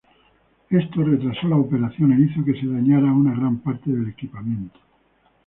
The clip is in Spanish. Esto retrasó la operación e hizo que se dañara una gran parte del equipamiento.